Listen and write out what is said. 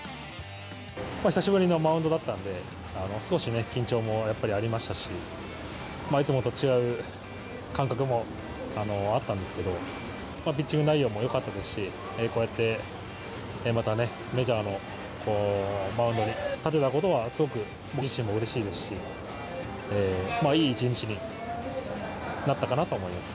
久しぶりのマウンドだったんで、少しね、緊張もやっぱりありましたし、いつもと違う感覚もあったんですけど、まあ、ピッチング内容もよかったですし、こうやって、またね、メジャーのマウンドに立てたことは、すごく僕自身もうれしいですし、いい一日になったかなと思います。